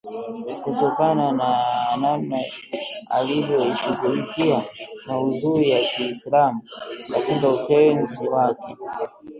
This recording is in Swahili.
Kutokana na namna alivyoshughulikia maudhui ya Kiislamu katika utenzi wake